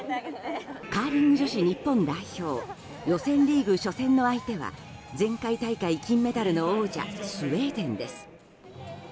カーリング女子日本代表予選リーグ初戦の相手は前回大会金メダルの王者スウェーデンです。